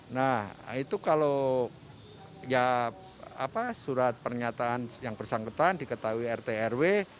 nah itu kalau ya surat pernyataan yang bersangkutan diketahui rt rw